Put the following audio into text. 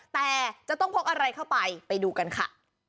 แต่จะต้องพกอะไรเข้าไปไปดูกันค่ะ